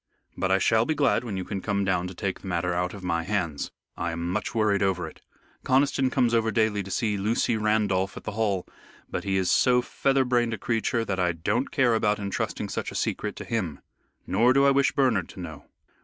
But I shall be glad when you can come down to take the matter out of my hands. I am much worried over it. Conniston comes over daily to see Lucy Randolph at the Hall, but he is so feather brained a creature that I don't care about entrusting such a secret to him. Nor do I wish Bernard to know.